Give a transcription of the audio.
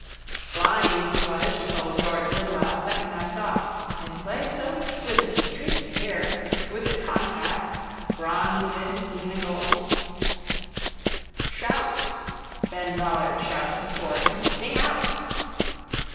Blind he was she told George Lidwell second I saw. And played so exquisitely, treat to hear. Exquisite contrast: bronzelid, minagold. —Shout! Ben Dollard shouted, pouring. Sing out!